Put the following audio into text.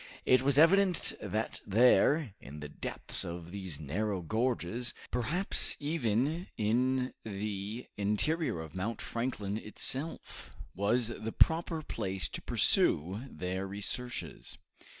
It was evident that there, in the depths of these narrow gorges, perhaps even in the interior of Mount Franklin itself, was the proper place to pursue their researches.